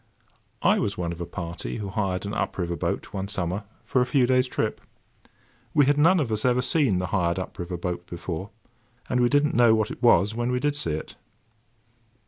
I was one of a party who hired an up river boat one summer, for a few days' trip. We had none of us ever seen the hired up river boat before; and we did not know what it was when we did see it.